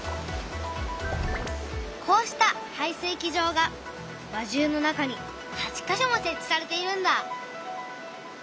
こうした排水機場が輪中の中に８か所も設置されているんだ。